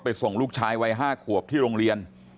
ส่งลูกชายวัย๕ขวบที่โรงเรียน